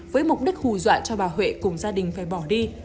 với mục đích hù dọa cho bà huệ cùng gia đình phải bỏ đi